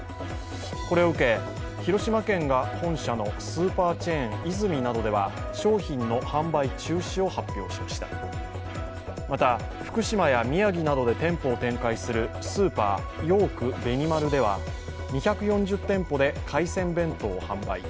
これを受け、広島県が本社のスーパーチェーン、イズミなどでは商品の販売中止を発表しましたまた、福島や宮城などで店舗を展開するスーパー、ヨークベニマルでは２４０店舗で海鮮弁当を販売。